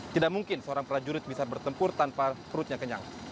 tidak mungkin seorang prajurit bisa bertempur tanpa perutnya kenyang